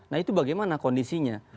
nah itu bagaimana kondisinya